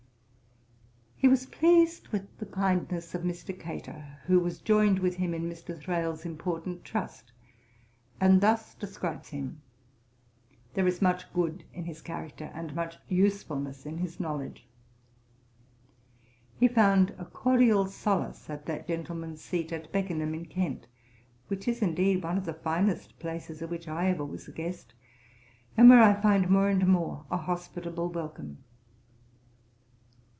He was pleased with the kindness of Mr. Cator, who was joined with him in Mr. Thrale's important trust, and thus describes him: 'There is much good in his character, and much usefulness in his knowledge.' He found a cordial solace at that gentleman's seat at Beckenham, in Kent, which is indeed one of the finest places at which I ever was a guest; and where I find more and more a hospitable welcome.